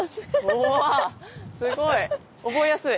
すごい。覚えやすい。